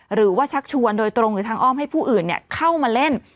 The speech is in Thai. ชักชวนโดยตรงหรือทางอ้อมให้ผู้อื่นเข้ามาเล่น